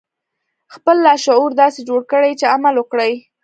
خپل لاشعور داسې جوړ کړئ چې عمل وکړي